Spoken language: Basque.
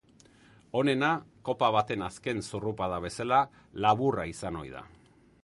Onena, kopa baten azken zurrupada bezala, laburra izan ohi da.